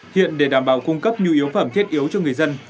hiện để đảm bảo cung cấp nhu yếu phẩm thiết yếu cho người dân